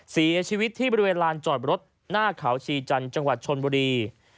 เสียชีวิตที่บริเวณลานจอดรถหน้าเขาชีจันทร์จังหวัดชนบุรี